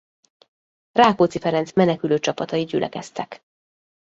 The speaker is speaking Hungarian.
Rákóczi Ferenc menekülő csapatai gyülekeztek.